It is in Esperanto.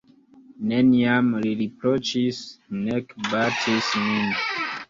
Neniam li riproĉis, nek batis min.